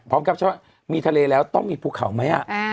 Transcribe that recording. พร้อมกับเขาว่ามีทะเลแล้วต้องมีภูเขาไหมอะ